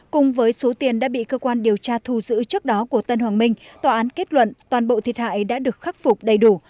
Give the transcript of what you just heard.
cơ quan điều tra thu giữ trước đó của tân hoàng minh tòa án kết luận toàn bộ thiệt hại đã được khắc phục đầy đủ